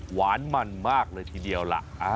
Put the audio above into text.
หวานมันมากเลยทีเดียวล่ะ